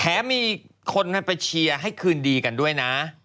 มีคนไปเชียร์ให้คืนดีกันด้วยนะ